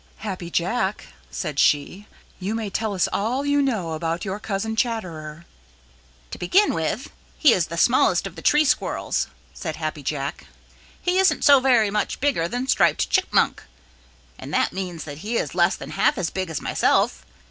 "Happy Jack," said she, "you may tell us all you know about your cousin, Chatterer." "To begin with, he is the smallest of the Tree Squirrels," said Happy Jack. "He isn't so very much bigger than Striped Chipmunk, and that means that he is less than half as big as myself.